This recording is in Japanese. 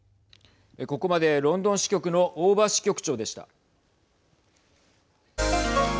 ここまでロンドン支局の大庭支局長でした。